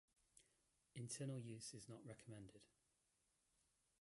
Internal use is not recommended.